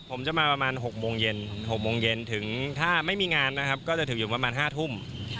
ผมจะมาประมาณ๖โมงเย็น๖โมงเย็นถึงถ้าไม่มีงานนะครับก็จะถึงอยู่ประมาณ๕ทุ่ม